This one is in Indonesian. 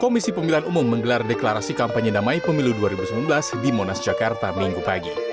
komisi pemilihan umum menggelar deklarasi kampanye damai pemilu dua ribu sembilan belas di monas jakarta minggu pagi